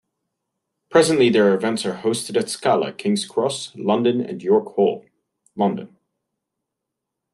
Presently their events are hosted at Scala, King's Cross, London and York Hall, London.